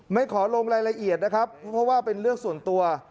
ไม่ขอลงรายละเอียดนะครับเพราะว่าเป็นเรื่องส่วนตัว